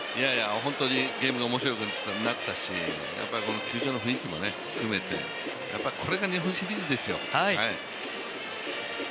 本当にゲームが面白くなってきたしこの球場の雰囲気も含めてこれが日本シリーズですよ。